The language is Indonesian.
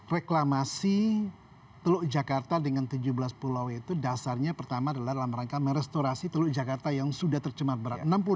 reklamasi teluk jakarta dengan tujuh belas pulau itu dasarnya pertama adalah dalam rangka merestorasi teluk jakarta yang sudah tercemar berat